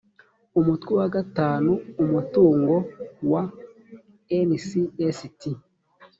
umutwe wa v: umutungo wa ncst